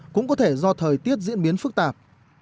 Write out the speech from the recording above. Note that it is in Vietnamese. cũng có thể do thời tiết diễn biến phức tạp